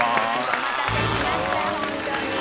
お待たせしました本当に。